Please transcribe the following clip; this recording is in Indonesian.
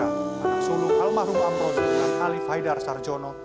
anak sulung almarhum amrozi dan alif haidar sarjono